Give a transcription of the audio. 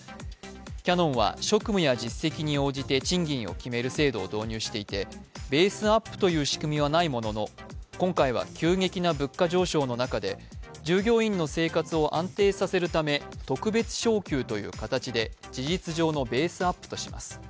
キヤノンは職務や実績に応じて賃金を決める制度を導入していてベースアップという仕組みはないものの今回は急激な物価上昇の中で従業員の生活を安定させるため、特別昇給という形で事実上のベースアップとします。